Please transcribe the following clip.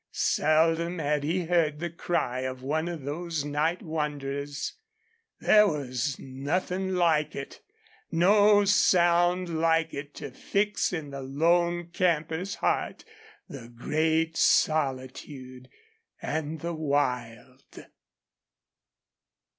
Seldom had he heard the cry of one of those night wanderers. There was nothing like it no sound like it to fix in the lone camper's heart the great solitude and the wild.